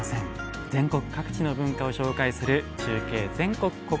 全国各地の文化を紹介する中継